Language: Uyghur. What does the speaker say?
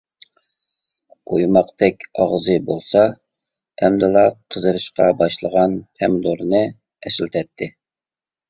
ئويماقتەك ئاغزى بولسا ئەمدىلا قىزىرىشقا باشلىغان پەمىدۇرنى ئەسلىتەتتى.